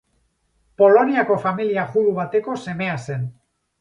Poloniako familia judu bateko semea zen.